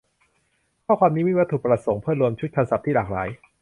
ข้อความนี้มีวัตถุประสงค์เพื่อรวมชุดคำศัพท์ที่หลากหลาย